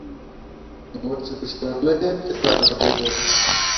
Mu cuu swãme ne fan joŋ bo.